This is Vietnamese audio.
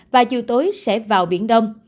và chiều tối sẽ vào biển đông